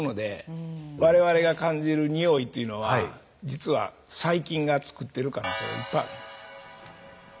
我々が感じるにおいというのは実は細菌が作ってる可能性がいっぱいあるんです。